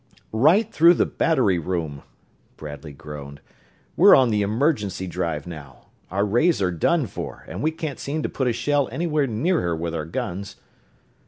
"Right through the battery room!" Bradley groaned. "We're on the emergency drive now. Our rays are done for, and we can't seem to put a shell anywhere near her with our guns!"